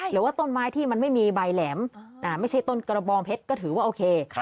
หรือว่าต้นไม้ที่มันไม่มีใบแหลมไม่ใช่ต้นกระบองเพชรก็ถือว่าโอเค